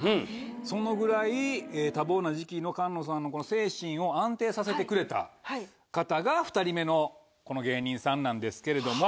そのぐらい多忙な時期の菅野さんの精神を安定させてくれた方が２人目のこの芸人さんなんですけれども。